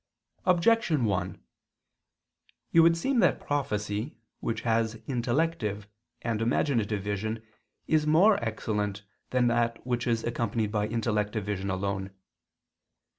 Objection 1: It would seem that the prophecy which has intellective and imaginative vision is more excellent than that which is accompanied by intellective vision alone.